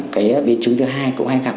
cái biên chứng thứ hai cũng hay gặp